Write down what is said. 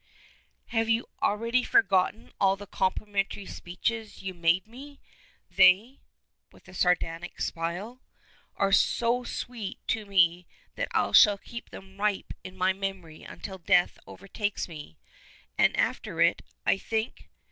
"Have you already forgotten all the complimentary speeches you made me? They" with a sardonic smile "are so sweet to me that I shall keep them ripe in my memory until death overtakes me and after it, I think!